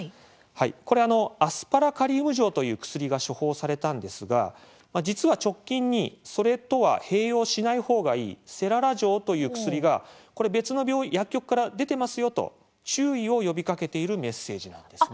これは「アスパラカリウム錠」という薬が処方されたんですが実は、直近にそれとは併用しない方がいい「セララ錠」という薬が別の薬局から出てますよと注意を呼びかけているメッセージなんですね。